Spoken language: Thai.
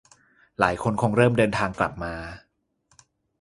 หลายคนคงเริ่มเดินทางกลับมา